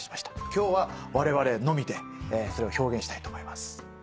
今日はわれわれのみでそれを表現したいと思います。